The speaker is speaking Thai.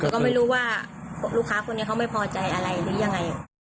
ก็ไม่รู้ว่าลูกค้าคนนี้เขาไม่พอใจอะไรหรือยังไง